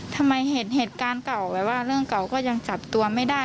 ทำไมเห็นเหตุการณ์เก่าแบบว่าเรื่องเก่าก็ยังจับตัวไม่ได้